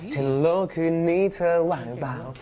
ฮัลโหลคืนนี้เธอหว่างเปล่า